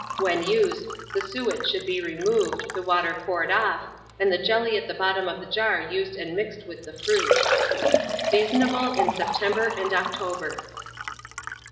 When used, the suet should be removed, the water poured off, and the jelly at the bottom of the jar used and mixed with the fruit. Seasonable in September and October.